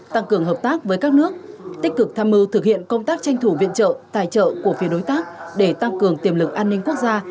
tăng cường hợp tác với các nước tích cực tham mưu thực hiện công tác tranh thủ viện trợ tài trợ của phía đối tác để tăng cường tiềm lực an ninh quốc gia